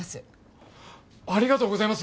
ありがとうございます！